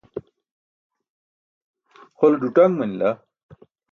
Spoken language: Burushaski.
hole ḍuṭaṅ manila